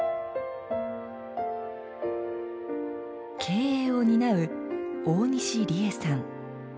経営を担う大西里枝さん。